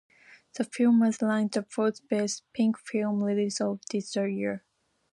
The film was ranked the fourth-best "pink film" release of the year.